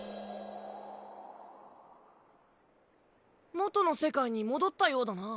元の世界に戻ったようだな。